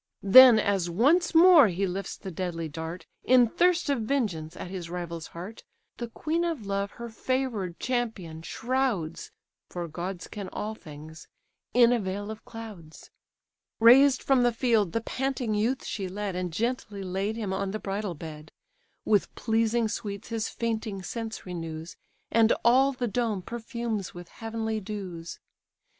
Then, as once more he lifts the deadly dart, In thirst of vengeance, at his rival's heart; The queen of love her favour'd champion shrouds (For gods can all things) in a veil of clouds. Raised from the field the panting youth she led, And gently laid him on the bridal bed, With pleasing sweets his fainting sense renews, And all the dome perfumes with heavenly dews.